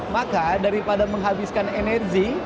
maka daripada menghabiskan energi